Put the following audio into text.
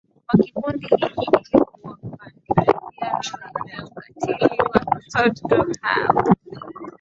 wa kikundi hiki ili kuwapandikizia roho ya ukatili watoto hawa